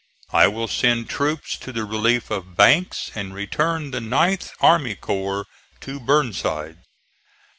I will send troops to the relief of Banks, and return the 9th army corps to Burnside."